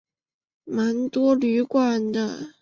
蛮多旅馆的